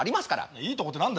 いいとこって何だ？